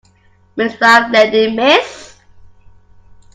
Mrs. wife lady Miss